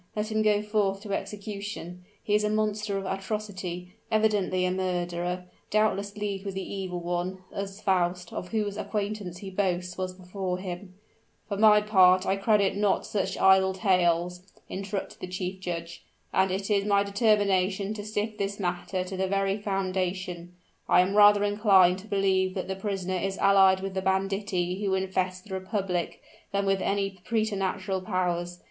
Let him go forth to execution: he is a monster of atrocity, evidently a murderer, doubtless leagued with the Evil One, as Faust, of whose acquaintance he boasts, was before him " "For my part, I credit not such idle tales," interrupted the chief judge, "and it is my determination to sift this matter to the very foundation. I am rather inclined to believe that the prisoner is allied with the banditti who infest the republic, than with any preterhuman powers.